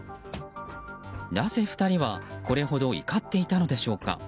なぜ２人はこれほど怒っていたのでしょうか。